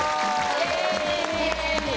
イエイ！